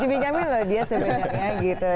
dia sebenarnya benyamin loh dia sebenarnya gitu